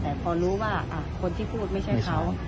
แต่พอรู้ว่าคนที่พูดไม่ใช่เขา